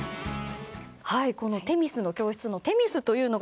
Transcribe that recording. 「女神の教室」のテミスというのが